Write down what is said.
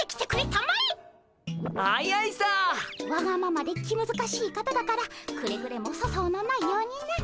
わがままで気むずかしい方だからくれぐれも粗相のないようにな。